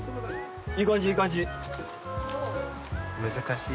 いい感じいい感じ！